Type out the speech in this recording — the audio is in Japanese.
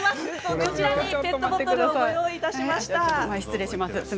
こちらにペットボトルをご用意しました。